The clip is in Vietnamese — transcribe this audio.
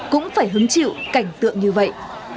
cũng phải hứng chịu cảnh tượng như vậy